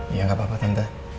iya gak apa apa tante